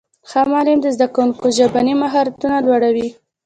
ښه معلم د زدهکوونکو ژبنی مهارت لوړوي.